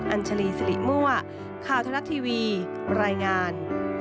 อัญชลีสิริมั่วข่าวทะลัดทีวีรายงาน